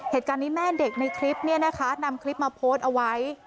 เหตุการณ์นี้แม่เด็กในคลิปเนี่ยนะคะนำคลิปมาโพสต์เอาไว้